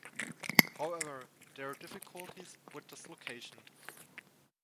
However, there are difficulties with this location.